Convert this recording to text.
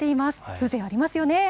風情ありますよね。